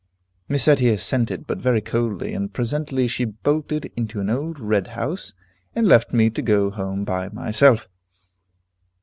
Miss Etty assented, but very coldly, and presently she bolted into an old red house, and left me to go home by myself.